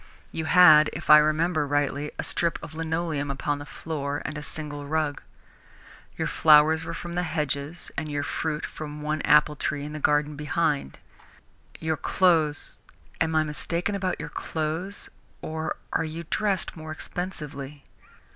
You had, if I remember rightly, a strip of linoleum upon the floor, and a single rug. Your flowers were from the hedges and your fruit from the one apple tree in the garden behind. Your clothes am I mistaken about your clothes or are you dressed more expensively?"